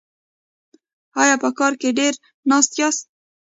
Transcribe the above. ایا په کار کې ډیر ناست یاست؟